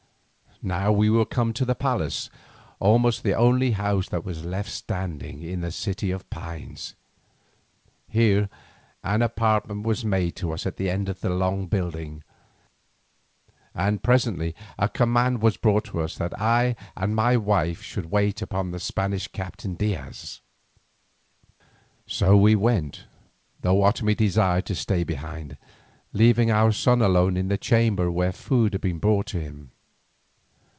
Now we were come to the palace, almost the only house that was left standing in the City of Pines. Here an apartment was given to us at the end of the long building, and presently a command was brought to us that I and my wife should wait upon the Spanish captain Diaz. So we went, though Otomie desired to stay behind, leaving our son alone in the chamber where food had been brought to him.